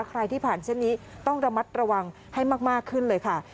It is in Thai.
ใครที่ผ่านเส้นนี้ต้องระมัดระวังให้มากขึ้นเลยค่ะ